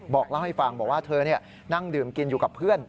บอกเล่าให้ฟังบอกว่าเธอนั่งดื่มกินอยู่กับเพื่อน